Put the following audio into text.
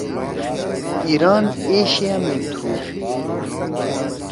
ایِران ایشیا می تُھو۔